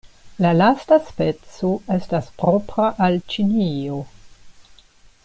La lasta speco estas propra al Ĉinio.